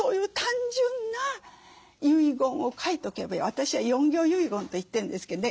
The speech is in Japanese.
私は４行遺言と言ってるんですけどね。